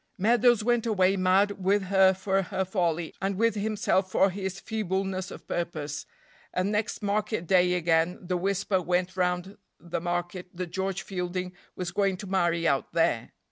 Meadows went away mad with her for her folly, and with himself for his feebleness of purpose, and next market day again the whisper went round the market that George Fielding was going to marry out there.